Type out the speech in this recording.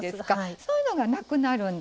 そういうのがなくなるんです。